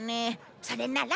それなら。